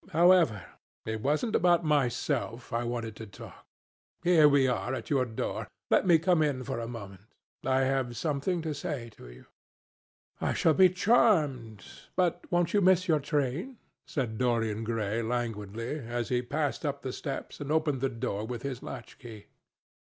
However, it wasn't about myself I wanted to talk. Here we are at your door. Let me come in for a moment. I have something to say to you." "I shall be charmed. But won't you miss your train?" said Dorian Gray languidly as he passed up the steps and opened the door with his latch key.